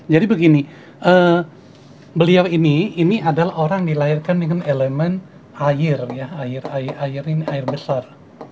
jadi begini beliau ini ini adalah orang dilahirkan dengan elemen air ya air air air ini air besar